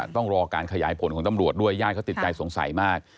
ต้องรอการขยายผลของตำรวจด้วยญาติเขาติดใจสงสัยมาก